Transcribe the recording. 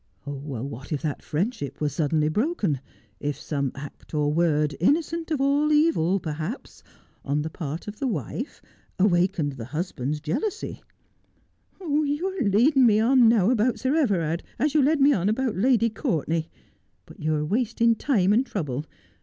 ' What if that friendship was suddenly broken — if some act or word, innocent of all evil, perhaps — on the part of the wife awakened the husband's jealousy ' 'Oh, you are leading me on now about Sir Everard, aa you led me on about Lady (Aiurtenay. But you are wasting time and trouble.